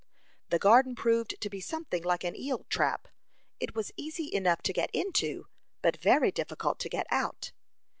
The garden proved to be something like an eel trap it was easy enough to get into it, but very difficult to get out.